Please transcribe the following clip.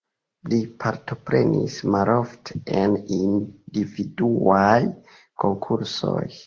Li partoprenis malofte en individuaj konkursoj.